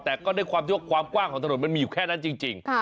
แต่ก็ด้วยความที่ว่าความกว้างของถนนมันมีอยู่แค่นั้นจริง